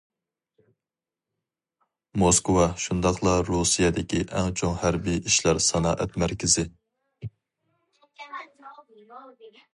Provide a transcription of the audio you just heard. موسكۋا شۇنداقلا رۇسىيەدىكى ئەڭ چوڭ ھەربىي ئىشلار سانائەت مەركىزى.